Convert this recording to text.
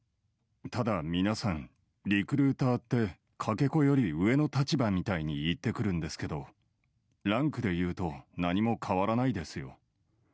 ただ皆さん、リクルーターってかけ子より上の立場みたいに言ってくるんですけど、ランクでいうと何も変わらないですよ。